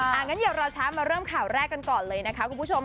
อย่างนั้นอย่ารอช้ามาเริ่มข่าวแรกกันก่อนเลยนะคะคุณผู้ชม